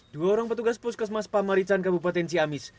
dua orang petugas puskesmas pamarican kabupaten ciamis